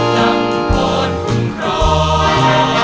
จังพอดคุณครอบ